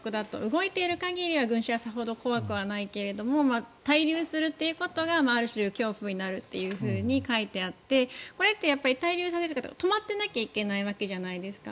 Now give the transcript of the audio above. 動いている限りは群衆はさほど怖くはないけれど滞留するということがある種、恐怖になるというふうに書いてあってこれって滞留されると止まってないといけないわけじゃないですか。